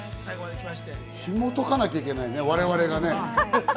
紐解かなきゃいけないね、我々がね。